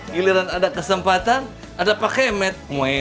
gileran ada kesempatan ada pake met